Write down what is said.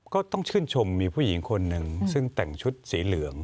ก็ต้องชื่นชมมีผู้หญิงคนหนึ่งซึ่งแต่งชุดสีเหลือง